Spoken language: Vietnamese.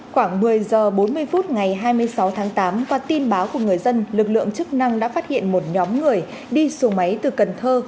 khoảng một mươi h bốn mươi phút ngày hai mươi sáu tháng tám qua tin báo của người dân lực lượng chức năng đã phát hiện một nhóm người đi xuồng máy từ cần thơ